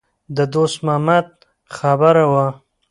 د دوست محمد خبره وه.